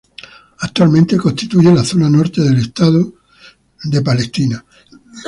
Actualmente constituye la zona norte del Estado de Israel.